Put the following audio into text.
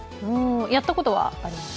やったことはあります？